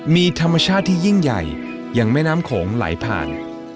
มีธรรมชาติที่ยิ่งใหญ่อย่างแม่น้ำโขงไหลผ่าน